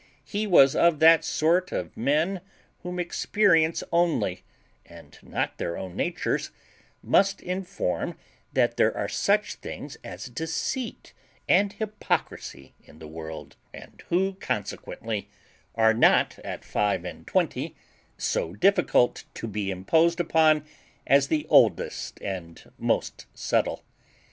He was of that sort of men whom experience only, and not their own natures, must inform that there are such things as deceit and hypocrisy in the world, and who, consequently, are not at five and twenty so difficult to be imposed upon as the oldest and most subtle.